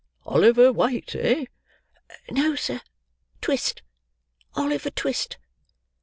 Oliver White, eh?" "No, sir, Twist, Oliver Twist."